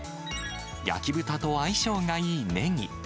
焼き豚と相性がいいねぎ。